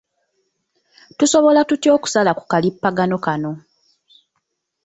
Tusobola tutya okusala ku kalippagano kano?